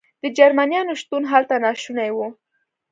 د جرمنیانو شتون هلته ناشونی و.